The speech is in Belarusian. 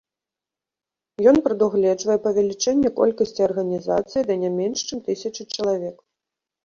Ён прадугледжвае павелічэнне колькасці арганізацыі да не менш чым тысячы чалавек.